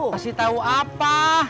ngasih tau apa